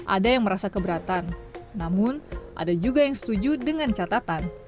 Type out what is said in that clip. ada yang merasa keberatan namun ada juga yang setuju dengan catatan